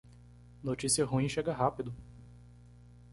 Notícia ruim chega rápido.